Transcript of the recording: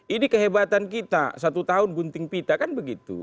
ini kehebatan kita satu tahun gunting pita kan begitu